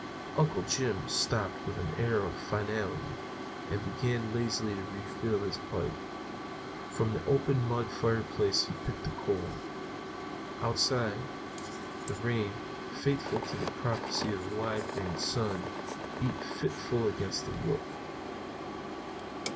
Uncle Jim stopped with an air of finality, and began lazily to refill his pipe. From the open mud fireplace he picked a coal. Outside, the rain, faithful to the prophecy of the wide ringed sun, beat fitfully against the roof.